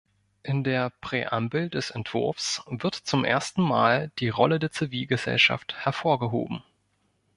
In der Präambel des Entwurfs wird zum ersten Mal die Rolle der Zivilgesellschaft hervorgehoben.